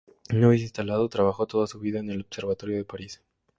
Una vez instalado, trabajó toda su vida en el Observatorio de París.